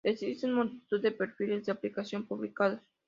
Existen multitud de perfiles de aplicación publicados.